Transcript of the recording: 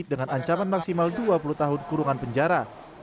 dengan ancaman maksimal dua puluh tahun kurungan penjara